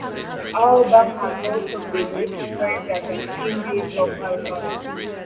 The album has also been described as an indie pop album.